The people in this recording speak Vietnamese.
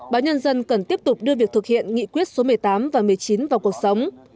báo nhân dân cần tiếp tục đưa việc thực hiện nghị quyết số một mươi tám và một mươi chín vào cuộc sống